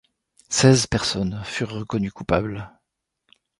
Seize personnes furent reconnues coupables.